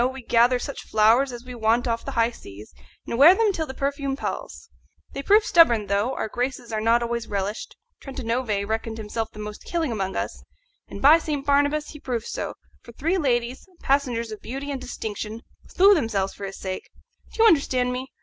we gather such flowers as we want off the high seas, and wear them till the perfume palls. They prove stubborn though; our graces are not always relished. Trentanove reckoned himself the most killing among us, and by St. Barnabas he proved so, for three ladies passengers of beauty and distinction slew themselves for his sake. Do you understand me?